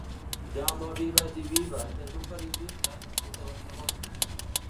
Jaume Vives i Vives és un periodista nascut a Barcelona.